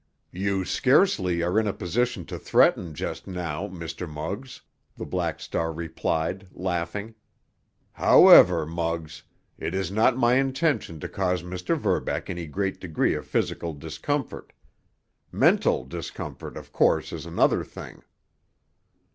"You scarcely are in a position to threaten just now, Mr. Muggs," the Black Star replied, laughing. "However, Muggs, it is not my intention to cause Mr. Verbeck any great degree of physical discomfort. Mental discomfort, of course, is another thing."